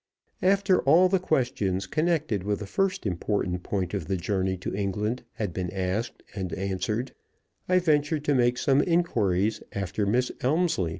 After all the questions connected with the first important point of the journey to England had been asked and answered, I ventured to make some inquiries after Miss Elmslie.